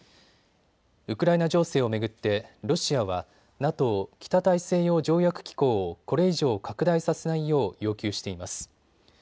ウクライナ情勢を巡ってロシアはＮＡＴＯ・北大西洋条約機構をこれ以上、拡大させないよう要求しています。